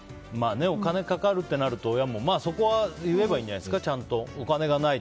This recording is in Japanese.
お金かかるってなると親もそこは言えばいいんじゃないですか。